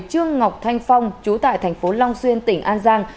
trường ngọc thanh phong trú tại thành phố long xuyên tỉnh an giang